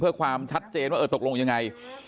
เพื่อความชัดเจนว่าตกลงอย่างไร